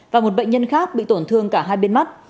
và một bệnh nhân khác bị tổn thương cả hai bên mắt